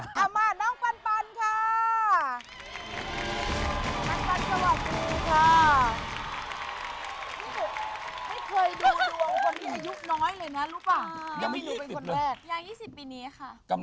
เอามาน้องกวันปันค่า